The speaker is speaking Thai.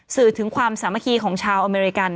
สื่อถึงความสามัคคีของชาวอเมริกัน